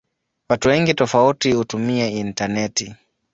Watu wengi tofauti hutumia intaneti.